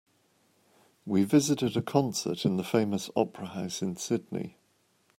We visited a concert in the famous opera house in Sydney.